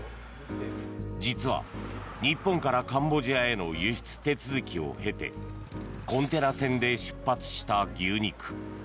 実は日本からカンボジアへの輸出手続きを経てコンテナ船で出発した牛肉。